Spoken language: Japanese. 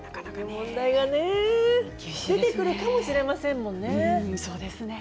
問題が出てくるかもしれませんもんね。